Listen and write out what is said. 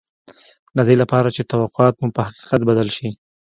د دې لپاره چې توقعات مو په حقیقت بدل شي